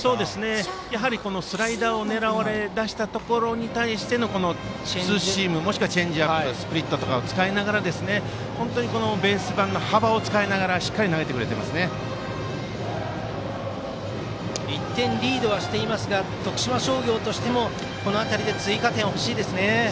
やはりスライダーを狙われ出したところに対してのツーシームもしくはチェンジアップを使いながらベース板の幅を使って１点リードはしていますが徳島商業としてもこの辺りで追加点が欲しいですね。